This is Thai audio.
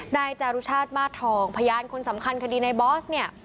นายจารุชาติมาสทองพยานคนสำคัญคดีในบอสเนี่ย